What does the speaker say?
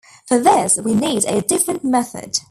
For this, we need a different method.